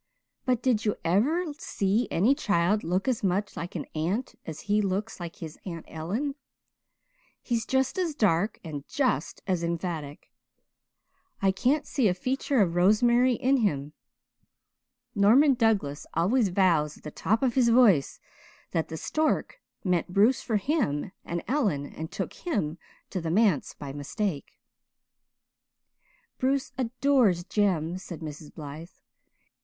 But did you ever see any child look as much like an aunt as he looks like his Aunt Ellen? He's just as dark and just as emphatic. I can't see a feature of Rosemary in him. Norman Douglas always vows at the top of his voice that the stork meant Bruce for him and Ellen and took him to the manse by mistake." "Bruce adores Jem," said Mrs Blythe.